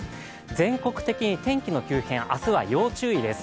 全国的に天気の急変、明日は要注意です。